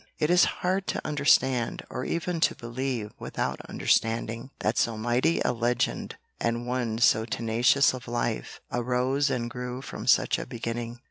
It is hard to understand or even to believe without understanding that so mighty a legend and one so tenacious of life, arose and grew from such a beginning.